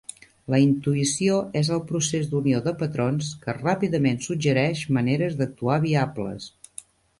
La intuïció és el procés d'unió de patrons que ràpidament suggereix maneres d'actuar viables.